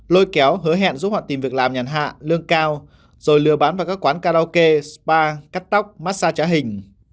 lôi kéo hứa hẹn giúp họ tìm việc làm nhàn hạ lương cao rồi lừa bán vào các quán karaoke spa cắt tóc massag trá hình